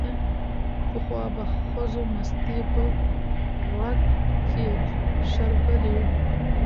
پخوا به ښځو مستې په غړګ کې شربلې